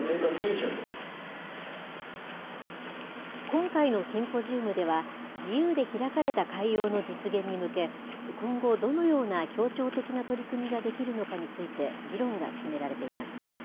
今回のシンポジウムでは、自由で開かれた海洋の実現に向け、今後、どのような協調的な取り組みができるのかについて議論が進められています。